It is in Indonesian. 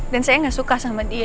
dan saya gak suka sama dia